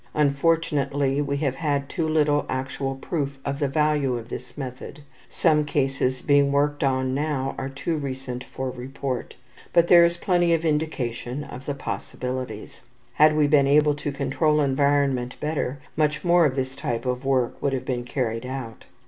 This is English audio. Unfortunately we have had too little actual proof of the value of this method, some cases being worked on now are too recent for report, but there is plenty of indication of the possibilities. Had we been able to control environment better, much more of this type of work would have been carried out.